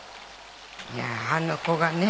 いやああの子がね